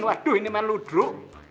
waduh ini main ludrok